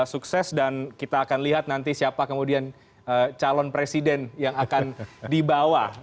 sukses dan kita akan lihat nanti siapa kemudian calon presiden yang akan dibawa